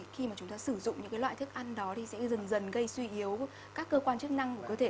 khi mà chúng ta sử dụng những cái loại thức ăn đó thì sẽ dần dần gây suy yếu các cơ quan chức năng của cơ thể